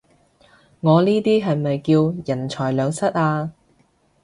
我呢啲係咪叫人財兩失啊？